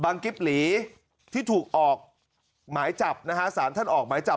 กิ๊บหลีที่ถูกออกหมายจับนะฮะสารท่านออกหมายจับ